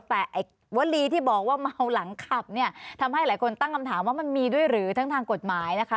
แต่ไอ้วลีที่บอกว่าเมาหลังขับเนี่ยทำให้หลายคนตั้งคำถามว่ามันมีด้วยหรือทั้งทางกฎหมายนะคะ